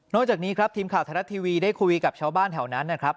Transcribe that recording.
จากนี้ครับทีมข่าวไทยรัฐทีวีได้คุยกับชาวบ้านแถวนั้นนะครับ